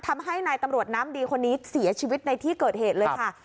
ทำให้นายตำรวจน้ำดีคนนี้เสียชีวิตในที่เกิดเหตุเลยค่ะ